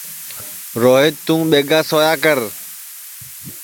روہیت توں ٻیگا سویا کر